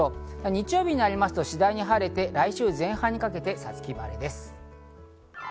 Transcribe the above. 日曜日になりますと次第に晴れて来週前半にかけて五月晴れです。